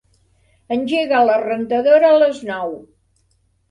Engega la rentadora a les nou.